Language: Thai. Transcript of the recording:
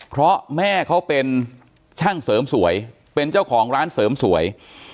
เพราะแม่เขาเป็นช่างเสริมสวยเป็นเจ้าของร้านเสริมสวย